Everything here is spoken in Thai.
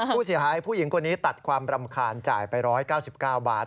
ผู้เสียหายผู้หญิงคนนี้ตัดความรำคาญจ่ายไป๑๙๙บาท